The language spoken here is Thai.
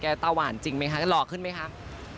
ตาหวานจริงไหมคะหล่อขึ้นไหมคะ